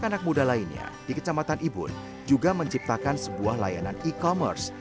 anak muda lainnya di kecamatan ibun juga menciptakan sebuah layanan e commerce